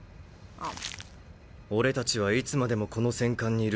あっ。